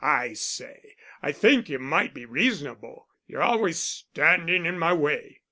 "I say, I think you might be reasonable you're always standing in my way."